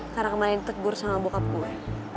karena kemarin tegur sama bokap gue